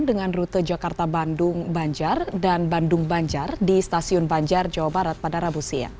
dengan rute jakarta bandung banjar dan bandung banjar di stasiun banjar jawa barat pada rabu siang